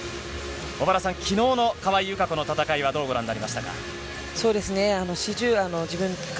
小原さん、きのうの川井友香子の戦いはどうご覧になりましたか？